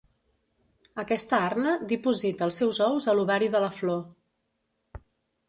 Aquesta arna diposita els seus ous a l'ovari de la flor.